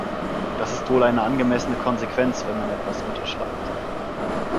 Das ist wohl eine angemessene Konsequenz, wenn man etwas unterschreibt.